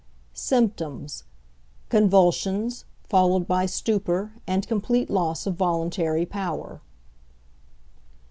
Symptoms. Convulsions, followed by stupor and complete loss of voluntary power.